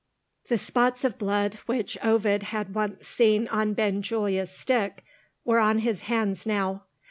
The spots of blood which Ovid had once seen on Benjulia's stick, were on his hands now.